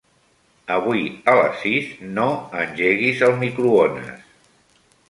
Avui a les sis no engeguis el microones.